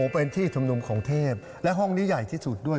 เป็นที่ชุมนุมของเทพและห้องนี้ใหญ่ที่สุดด้วย